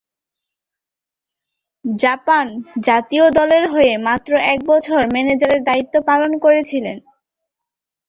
Japan জাতীয় দলের হয়ে মাত্র এক বছর ম্যানেজারের দায়িত্ব পালন করেছিলেন।